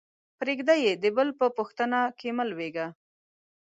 پرېږده يې؛ د بل په پوستينه کې مه لویېږه.